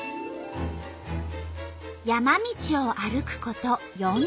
山道を歩くこと４０分。